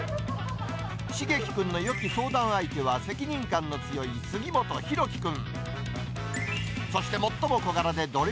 しげき君のよき相談相手は、責任感の強い杉本ひろき君。